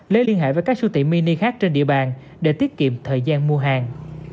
lấy liên hệ với các siêu thị mini khác trên địa bàn để tiết kiệm thời gian mua hàng